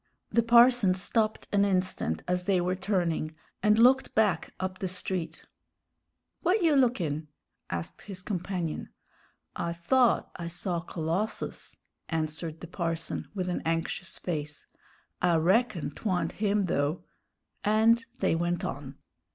The parson stopped an instant as they were turning, and looked back up the street. "W'at you lookin'?" asked his companion. "I thought I saw Colossus," answered the parson, with an anxious face; "I reckon 'twa'nt him, though." And they went on.